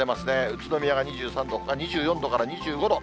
宇都宮が２３度、ほか２４度から２５度。